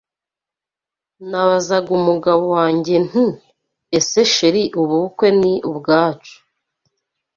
Nabazaga umugabo wanjye nti ese chr ubu bukwe ni ubwacu